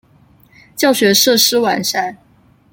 教学设施完善。